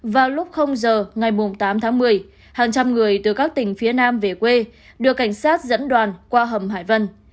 vào lúc giờ ngày tám tháng một mươi hàng trăm người từ các tỉnh phía nam về quê được cảnh sát dẫn đoàn qua hầm hải vân